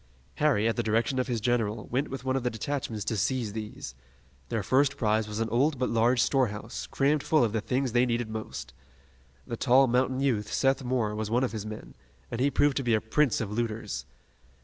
Harry, at the direction of his general, went with one of the detachments to seize these. Their first prize was an old but large storehouse, crammed full of the things they needed most. The tall mountain youth, Seth Moore, was one of his men, and he proved to be a prince of looters.